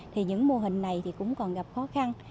thì những mô hình này thì cũng còn gặp khó khăn